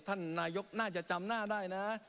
ท่านนายกน่าจะจำหน้าได้นะ